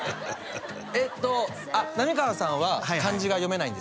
えっと浪川さんは漢字が読めないんです